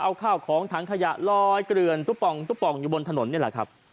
เอาข้าวของถังขยะลอยเกลือนตุ๊ปองตุ๊ป่องอยู่บนถนนนี่แหละครับ